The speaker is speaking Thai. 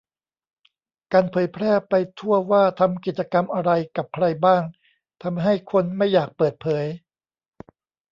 การเผยแพร่ไปทั่วว่าทำกิจกรรมอะไรกับใครบ้าง ทำให้คนไม่อยากเปิดเผย